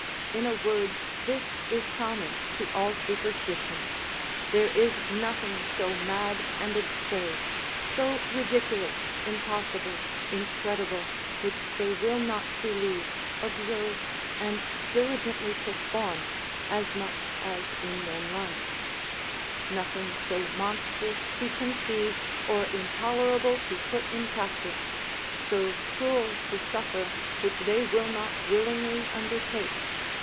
In a word, this is common to all superstition, there is nothing so mad and absurd, so ridiculous, impossible, incredible, which they will not believe, observe, and diligently perform, as much as in them lies; nothing so monstrous to conceive, or intolerable to put in practice, so cruel to suffer, which they will not willingly undertake.